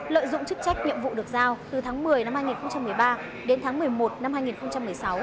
lợi dụng chức trách nhiệm vụ được giao từ tháng một mươi năm hai nghìn một mươi ba đến tháng một mươi một năm hai nghìn một mươi sáu